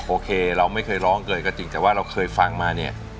โอเคเราไม่เคยร้องเกินก็จริงแต่ว่าเราเคยฟังมาเนี่ย